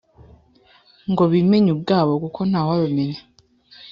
. Ngo bimenye ubwabo kuko ntawabamenya